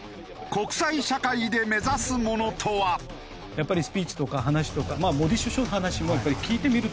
やっぱりスピーチとか話とかまあモディ首相の話も聞いてみるとね